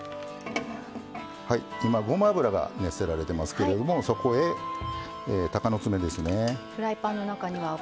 ごま油が熱せられていますけどそこへ、たかの爪ですね。